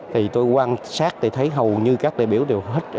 thì tôi quan sát thì thấy hầu như các đại biểu đều hết